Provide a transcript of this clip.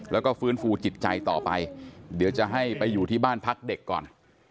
แล้วก็ฟื้นฟูจิตใจต่อไปเดี๋ยวจะให้ไปอยู่ที่บ้านพักเด็กก่อน